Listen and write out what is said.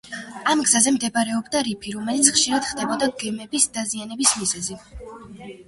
ამ გზაზე მდებარეობდა რიფი, რომელიც ხშირად ხდებოდა გემების დაზიანების მიზეზი.